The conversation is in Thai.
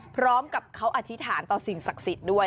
พร้อมกับเขาอธิษฐานต่อสิ่งศักดิ์สิทธิ์ด้วย